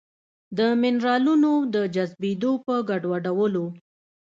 د مېنرالونو د جذبېدو په ګډوډولو